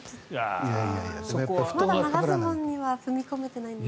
まだ長ズボンには踏み込めていないんですが。